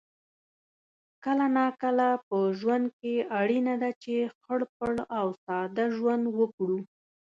کله ناکله په ژوند کې اړینه ده چې خړ پړ او ساده ژوند وکړو